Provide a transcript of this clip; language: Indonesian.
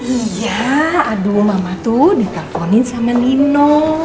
iya aduh mama tuh ditelponin sama nino